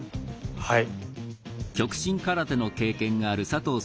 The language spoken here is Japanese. はい。